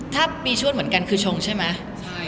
ถ้าปีชวดเหมือนกันคือชงใช่ไหม